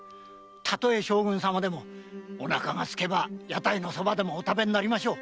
たとえ将軍様でもおなかが空けば屋台の蕎麦でもお食べになりましょう。